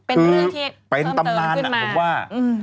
ต้องเติมขึ้นมา